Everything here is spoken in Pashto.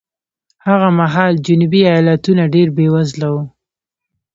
هغه مهال جنوبي ایالتونه ډېر بېوزله وو.